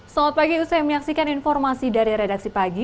selamat pagi usai menyaksikan informasi dari redaksi pagi